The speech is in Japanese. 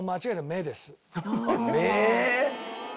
目？